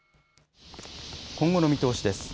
今後の見通しです。